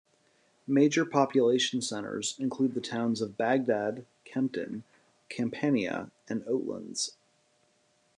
Major population centres include the towns of Bagdad, Kempton, Campania and Oatlands.